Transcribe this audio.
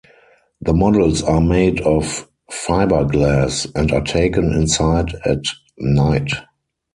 The models are made of fibreglass, and are taken inside at night.